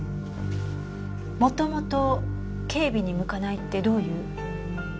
もともと警備に向かないってどういう。